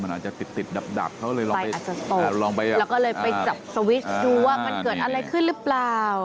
มันอาจจะติดติดดับเขาเลยลองไปแล้วก็เลยไปจับสวิสดูว่ามันเกิดอะไรขึ้นหรือเปล่า